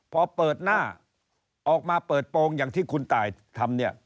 พอเปิดหน้าออกมาเปิดโปรงอย่างที่คุณตายทำเนี่ย